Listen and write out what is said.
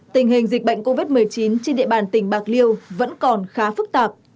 tình hình dịch bệnh covid một mươi chín trên địa bàn tỉnh bạc liêu vẫn còn khá phức tạp